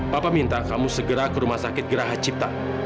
papa minta kamu segera ke rumah sakit geraha cipta